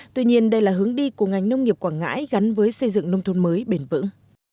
tuy nhiên đây là hướng đi của ngành nông nghiệp quảng ngãi gắn với xây dựng nông thôn mới bền vững